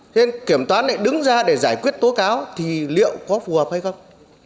thế nên kiểm toán này đứng ra để giải quyết tố cáo thì liệu có phù hợp hay không